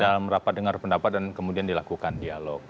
dalam rapat dengar pendapat dan kemudian dilakukan dialog